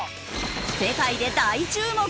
世界で大注目！